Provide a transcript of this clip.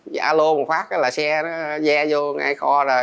dạ lô một phát là xe nó dè vô ngay kho ra